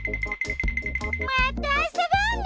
またあそぼうね！